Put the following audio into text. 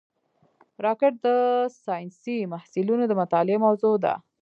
راکټ د ساینسي محصلینو د مطالعې موضوع ده